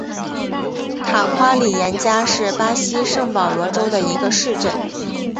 塔夸里廷加是巴西圣保罗州的一个市镇。